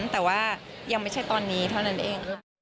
แต่ว่ายังไม่ใช่ตอนนี้เท่านั้นเอง